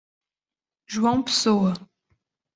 João Pessoa